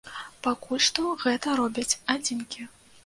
Пакуль што гэта робяць адзінкі.